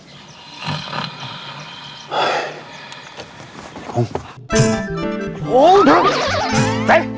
สุดท้าย